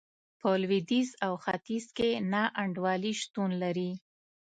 په لوېدیځ او ختیځ کې نا انډولي شتون لري.